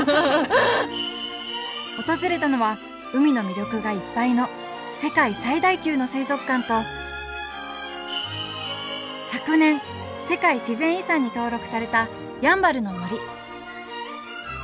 訪れたのは海の魅力がいっぱいの世界最大級の水族館と昨年世界自然遺産に登録されたやんばるの森。